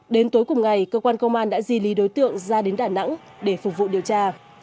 đến tối cùng ngày cơ quan công an đã di lý đối tượng ra đến đà nẵng để phục vụ điều tra